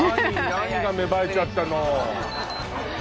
何が芽生えちゃったの？